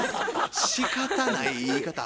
しかたない言い方ある？